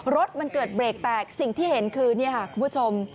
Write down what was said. รถมันเกิดเบรกแตกสิ่งที่เห็นคือนี่ค่ะคุณผู้ชม